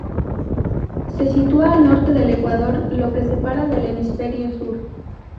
Se sitúa al norte del ecuador, que lo separa del hemisferio sur.